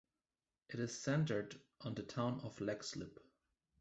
It is centred on the town of Leixlip.